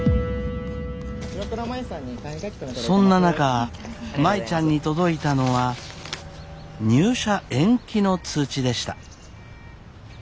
そんな中舞ちゃんに届いたのは入社延期の通知でした。